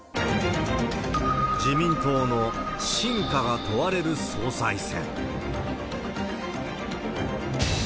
自民党の真価が問われる総裁選。